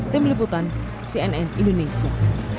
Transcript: tim liputan cnn indonesia